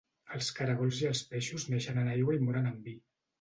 Els caragols i els peixos neixen en aigua i moren en vi.